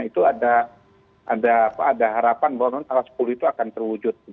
itu ada harapan bahwa tanggal sepuluh itu akan terwujud